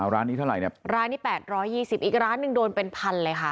ร้านนี้เท่าไหร่เนี่ยร้านนี้๘๒๐อีกร้านหนึ่งโดนเป็นพันเลยค่ะ